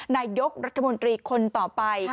นายกรัฐมนตรีคนต่อไป